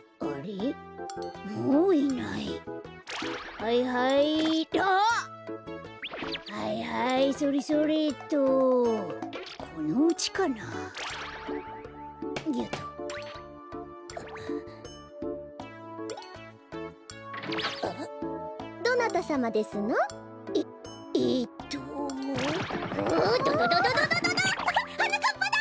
あっはなかっぱだ！